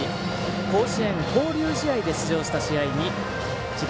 甲子園は交流試合で出場した試合に智弁